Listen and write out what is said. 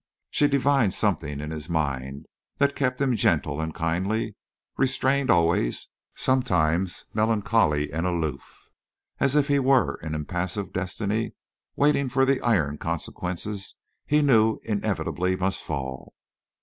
She divined something in his mind that kept him gentle and kindly, restrained always, sometimes melancholy and aloof, as if he were an impassive destiny waiting for the iron consequences he knew inevitably must fall.